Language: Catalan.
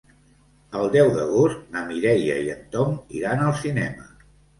El deu d'agost na Mireia i en Tom iran al cinema.